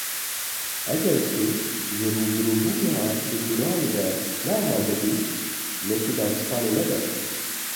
Eger tu ji rûbirûbûna bi guran re ne amade bî, noqî daristanê nebe.